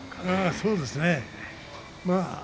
そうですね。